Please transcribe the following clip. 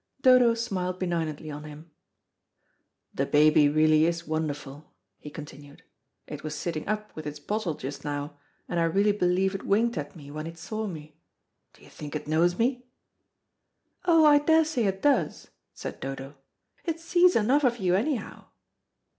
Dodo smiled benignantly on him. "The baby really is wonderful," he continued. "It was sitting up with its bottle just now, and I really believe it winked at me when it saw me. Do you think it knows me?" "Oh, I daresay it does," said Dodo; "it sees enough of you anyhow."